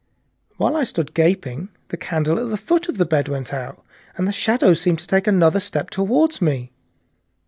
While I stood gaping the candle at the foot of the bed went out, and the shadows seemed to take another step toward me.